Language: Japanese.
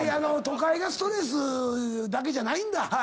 都会がストレスだけじゃないんだ。